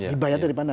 dibayar dari mana